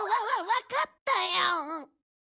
わかったよ！